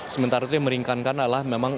sementara itu yang meringankan adalah memang